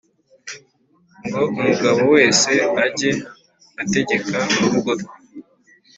ngo umugabo wese ajye ategeka mu rugo rwe